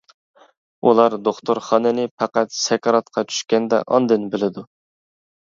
ئۇلار دوختۇرخانىنى پەقەت سەكراتقا چۈشكەندە ئاندىن بىلىدۇ.